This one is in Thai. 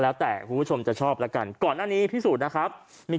แล้วแต่คุณผู้ผู้ชมจะชอบแล้วกันก่อนอันนี้พี่สุนาครับมี